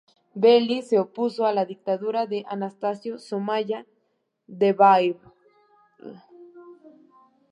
Belli se opuso a la dictadura de Anastasio Somoza Debayle.